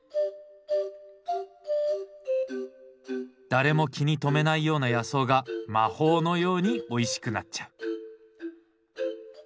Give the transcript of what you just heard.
誰も気に留めないような野草が魔法のようにおいしくなっちゃう。